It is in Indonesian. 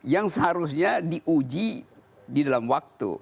yang seharusnya diuji di dalam waktu